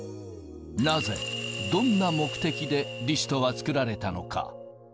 なぜ、どんな目的でリストは作られたのか。